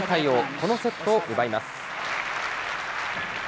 このセットを奪います。